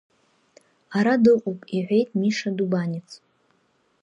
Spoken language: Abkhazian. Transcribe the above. Ара дыҟоуп, – иҳәеит Миша Дубанец.